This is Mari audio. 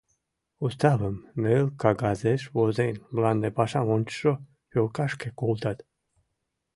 Уставым, ныл кагазеш возен, мланде пашам ончышо пӧлкашке колтат.